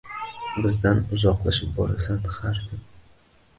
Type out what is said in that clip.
Bizdan uzoqlashib borasan har kun.